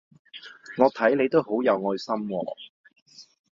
我睇你都好有愛心喎